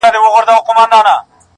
مه مو شمېره پیره په نوبت کي د رندانو-